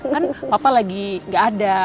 kan papa lagi gak ada